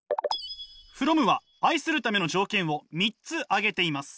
フロムは愛するための条件を３つ挙げています。